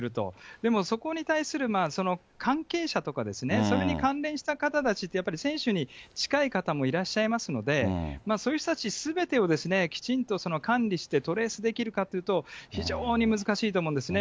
でもそこに対する関係者とかですね、それに関連した方たちって、やっぱり選手に近い方もいらっしゃいますので、そういう人たちすべてをきちんと管理して、トレースできるかっていうと、非常に難しいと思うんですね。